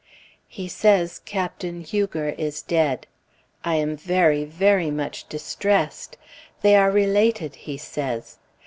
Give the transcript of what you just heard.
He says Captain Huger is dead. I am very, very much distressed. They are related, he says.